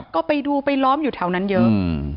ก็ไปดูไปล้อมอยู่แถวนั้นเยอะ